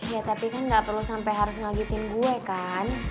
ya tapi kan gak perlu sampai harus ngagitin gue kan